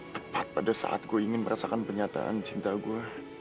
tepat pada saat gue ingin merasakan pernyataan cinta gue